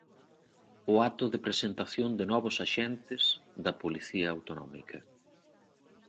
O acto de presentación de novos axentes da Policía Autonómica.